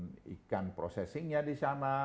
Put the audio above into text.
kemudian ikan processingnya di sana